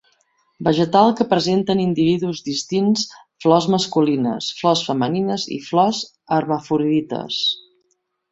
Vegetal que presenta en individus distints flors masculines, flors femenines i flors hermafrodites.